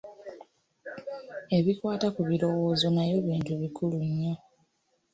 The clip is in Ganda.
Ebikwata ku birowoozo nayo bintu bikulu nnyo.